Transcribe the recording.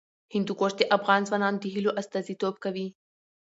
هندوکش د افغان ځوانانو د هیلو استازیتوب کوي.